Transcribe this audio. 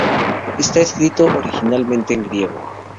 Está escrito originalmente en griego.